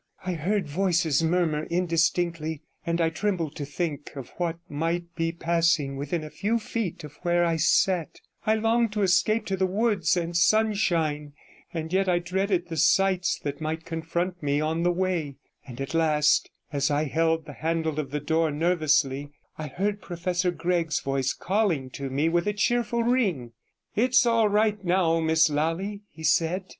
I heard voices murmur indistinctly, and I trembled to think of what might be passing within a few feet of where I sat; I longed to escape to the woods and sunshine, and yet I dreaded the sights that might confront me on the way; and at last, as I held the handle of the door nervously, I heard Professor Gregg's voice calling to me with a cheerful ring. 'It's all right now, Miss Lally,' he said.